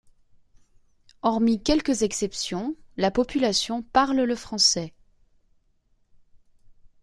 Hormis quelques exceptions, la population parle le français.